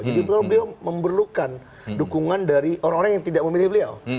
jadi beliau memerlukan dukungan dari orang orang yang tidak memilih beliau